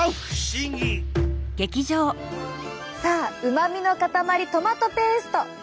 さあうまみの塊トマトペースト。